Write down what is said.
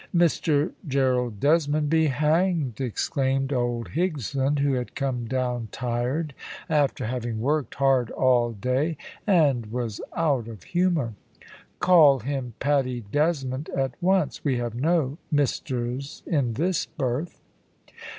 "Mr Gerald Desmond be hanged!" exclaimed old Higson, who had come down tired, after having worked hard all day, and was out of humour. "Call him Paddy Desmond at once. We have no misters in this berth."